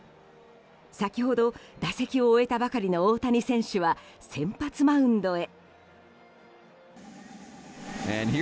先ほど打席を終えたばかりの大谷選手は先発マウンドへ。